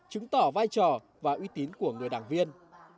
chứng tỏ vai trò và uy tín của người đảng viên